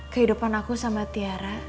kehidupan aku sama tiara